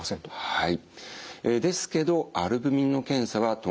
はい。